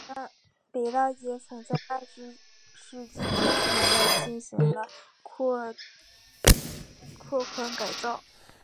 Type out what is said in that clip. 北大街曾在二十世纪九十年代进行了拓宽改造。